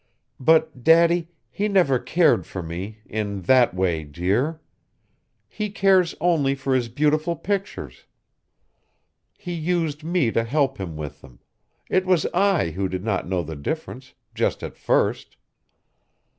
But, Daddy, he never cared for me in that way, dear! He cares only for his beautiful pictures. He used me to help him with them, it was I who did not know the difference, just at first.